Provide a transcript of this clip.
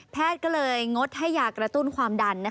ก็เลยงดให้ยากระตุ้นความดัน